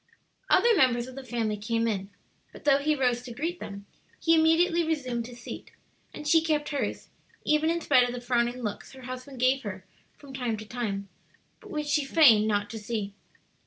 Other members of the family came in, but though he rose to greet them, he immediately resumed his seat, and she kept hers, even in spite of the frowning looks her husband gave her from time to time, but which she feigned not to see.